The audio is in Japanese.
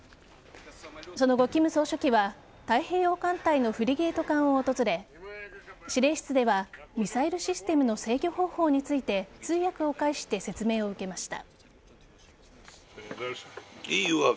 その後、金総書記は太平洋艦隊のフリゲート艦を訪れ司令室ではミサイルシステムの制御方法について通訳を介して、説明を受けました。